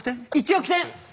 １億点！